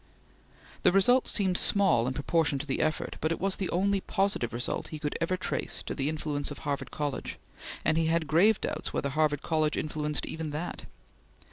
The result seemed small in proportion to the effort, but it was the only positive result he could ever trace to the influence of Harvard College, and he had grave doubts whether Harvard College influenced even that.